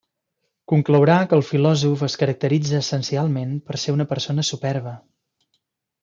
Conclourà que el filòsof es caracteritza essencialment per ser una persona superba.